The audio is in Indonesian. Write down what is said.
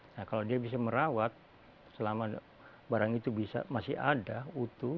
nah kalau dia bisa merawat selama barang itu bisa masih ada utuh